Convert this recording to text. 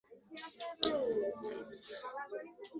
আমি সব স্টাইল পারি, দেখবেন?